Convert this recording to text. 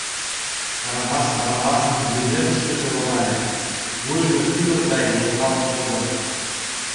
— Карабас Барабасын вуйлепышкыже логале, вуйжо тӱмыр гай йоҥгалт кодо.